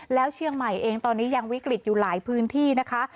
แล้วเชียงใหม่เองตอนนี้ยังวิกฤตอยู่หลายพื้นที่นะคะ